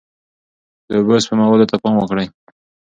د اوبو سپمولو ته پام وکړئ.